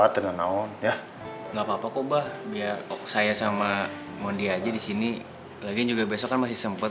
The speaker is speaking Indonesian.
tenang naon ya nggak apa apa kok bah biar saya sama mondi aja di sini lagi juga besok masih sempet